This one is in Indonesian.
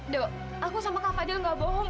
do aku sama kak fadil gak bohong